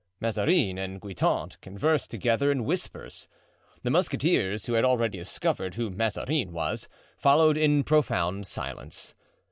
Mazarin and Guitant conversed together in whispers. The musketeers, who had already discovered who Mazarin was, followed in profound silence.